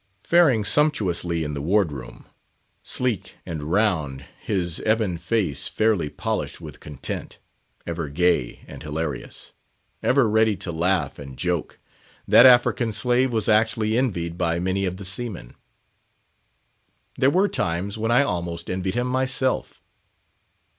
Faring sumptuously in the ward room; sleek and round, his ebon face fairly polished with content: ever gay and hilarious; ever ready to laugh and joke, that African slave was actually envied by many of the seamen. There were times when I almost envied him myself.